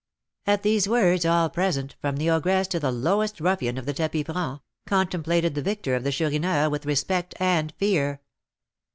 At these words, all present, from the ogress to the lowest ruffian of the tapis franc, contemplated the victor of the Chourineur with respect and fear.